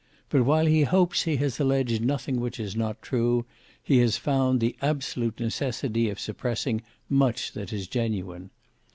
But while he hopes he has alleged nothing which is not true, he has found the absolute necessity of suppressing much that is genuine.